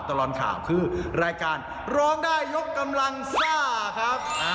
ตลอดข่าวคือรายการร้องได้ยกกำลังซ่าครับ